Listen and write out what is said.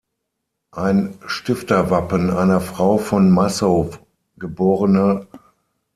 Ein Stifterwappen einer Frau von Massow geb.